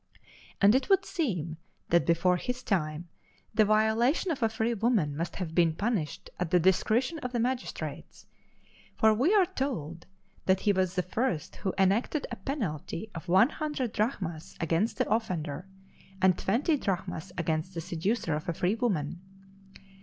And it would seem that before his time the violation of a free woman must have been punished at the discretion of the magistrates; for we are told that he was the first who enacted a penalty of one hundred drachmas against the offender, and twenty drachmas against the seducer of a free woman.